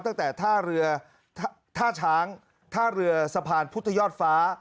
ตั้งแต่ท่าเรือท่าช้างท่าเรือสะพานพุทธยอดฟ้า